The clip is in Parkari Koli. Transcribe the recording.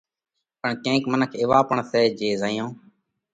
پڻ ڪينڪ منک ايوا پڻ سئہ جي زئيون